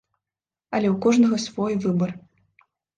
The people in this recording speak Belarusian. Але ў кожнага свой выбар.